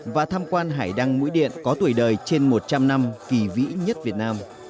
và tham quan hải đăng mũi điện có tuổi đời trên một trăm linh năm kỳ vĩ nhất việt nam